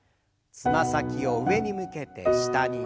つま先を上に向けて下に。